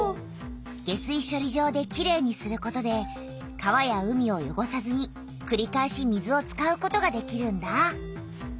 下水しょり場できれいにすることで川や海をよごさずにくりかえし水を使うことができるんだ。